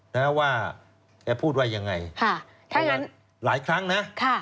นะว่าแกพูดว่ายังไงค่ะแค่นั้นหลายครั้งนะค่ะ